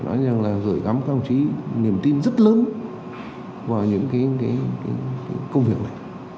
nói chung là rời gắm các ông chí niềm tin rất lớn vào những công việc này